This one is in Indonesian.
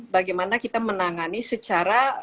bagaimana kita menangani secara